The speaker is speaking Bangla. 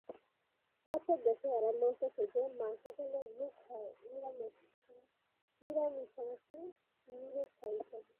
পাশ্চাত্যদেশে এরা লড়ছে যে, মাংস খেলে রোগ হয়, নিরামিষাশী নিরোগ হয় ইত্যাদি।